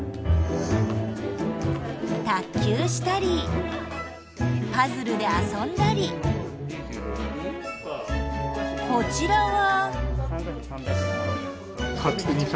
卓球したりパズルで遊んだりこちらは。